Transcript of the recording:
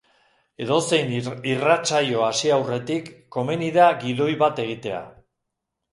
Edozein irratsaio hasi aurretik, komeni da gidoi bat egitea.